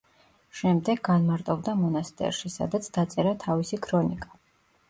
შემდეგ განმარტოვდა მონასტერში, სადაც დაწერა თავისი „ქრონიკა“.